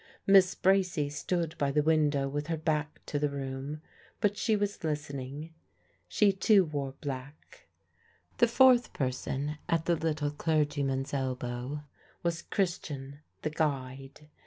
Miss Bracy stood by the window with her back to the room, but she was listening. She too wore black. The fourth person, at the little clergyman's elbow, was Christian the guide.